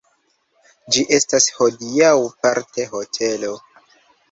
Ĝi estas hodiaŭ parte hotelo.